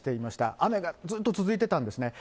雨がずっと続いてたんですね。